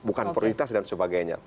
bukan prioritas dan sebagainya